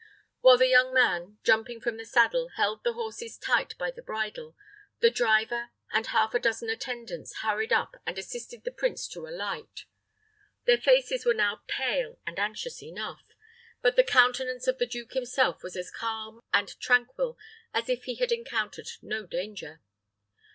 While the young man, jumping from the saddle, held the horses tight by the bridle, the driver and half a dozen attendants hurried up and assisted the prince to alight. Their faces were now pale and anxious enough; but the countenance of the duke himself was as calm and tranquil as if he had encountered no danger.